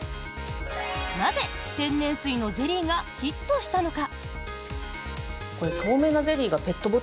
なぜ天然水のゼリーがヒットしたのか。